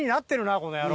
この野郎。